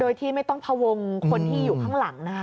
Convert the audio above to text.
โดยที่ไม่ต้องพวงคนที่อยู่ข้างหลังนะคะ